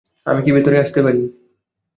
আমি কি ভেতরে আসতে পারি?